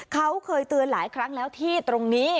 เขาเคยเตือนหลายครั้งแล้วที่ตรงนี้